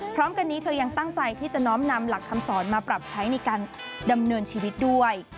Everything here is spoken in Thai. พร้อมกันนี้เธอยังตั้งใจที่จะน้อมนำหลักคำสอนมาปรับใช้ในการดำเนินชีวิตด้วย